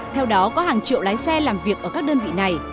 theo đó có hàng triệu lái xe làm việc ở các đơn vị này